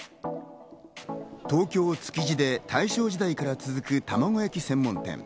東京・築地で大正時代から続く玉子焼専門店。